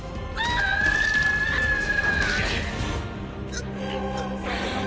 うっ！